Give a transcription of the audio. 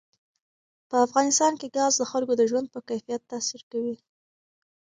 په افغانستان کې ګاز د خلکو د ژوند په کیفیت تاثیر کوي.